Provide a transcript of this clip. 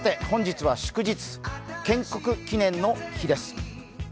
本日は祝日、建国記念の日です。